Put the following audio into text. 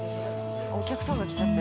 お客さんが来ちゃった。